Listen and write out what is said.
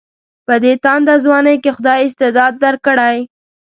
په دې تانده ځوانۍ کې خدای استعداد درکړی.